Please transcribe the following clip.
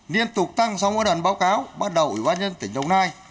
liên tục tăng sau ngôi đoàn báo cáo bắt đầu ủy quan nhân tỉnh đồng nai